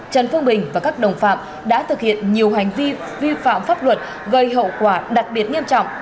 trần phương bình và các đồng phạm đã thực hiện nhiều hành vi vi phạm pháp luật gây hậu quả đặc biệt nghiêm trọng